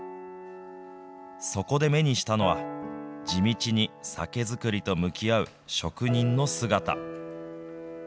そこで目にしたのは、地道に酒造りと向き合う職人の姿。